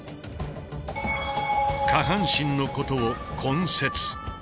下半身のことを「根節」。